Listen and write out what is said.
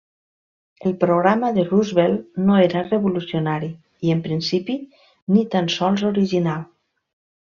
El programa de Roosevelt no era revolucionari, i en principi ni tan sols original.